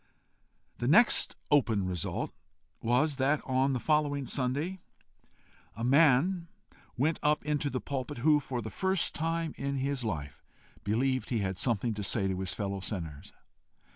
The next open result was, that, on the following Sunday, a man went up into the pulpit who, for the first time in his life, believed he had something to say to his fellow sinners.